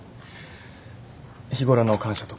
日頃の感謝とか。